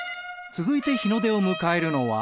続いて日の出を迎えるのは。